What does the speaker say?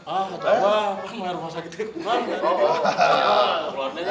ah tolong lah makin air masakitnya kumar ya